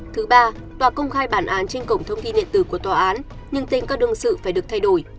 thứ ba tòa công khai bản án trên cổng thông tin điện tử của tòa án nhưng tên các đương sự phải được thay đổi